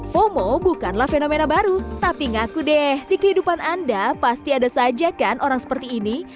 fomo bukanlah fenomena baru tapi ngaku deh di kehidupan anda pasti ada saja kan orang seperti ini